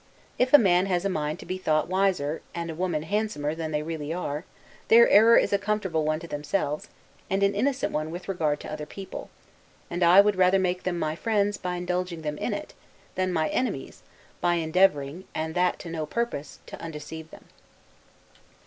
If a man has a mind to be thought wiser, and a woman handsomer than they really are, their error is a comfortable one to themselves, and an innocent one with regard to other people; and I would rather make them my friends, by indulging them in it, than my enemies, by endeavoring (and that to no purpose) to undeceive them.